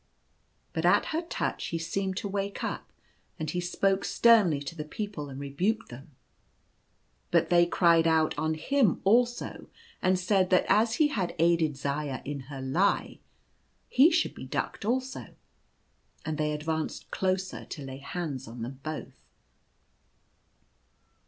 But at her touch he seemed to wake up; and he spoke sternly to the people, and re buked them. But they cried out on him also, and said that as he had aided Zaya in her lie he should be ducked also, and they advanced closer to lay hands on them both.